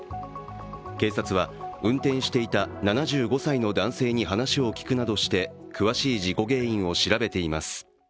警察は、運転していた７５歳の男性に話を聞くなどして詳しい事故原因を調べています。